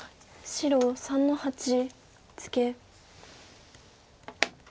白３の八ツケ。